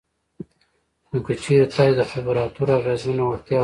نو که چېرې تاسې دخبرو اترو اغیزمنه وړتیا ولرئ